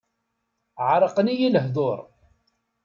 Ɛerqen-iyi lehduṛ.